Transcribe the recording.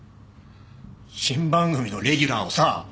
新番組のレギュラーをさ。